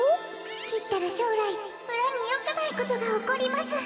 きったらしょうらい村によくないことがおこります。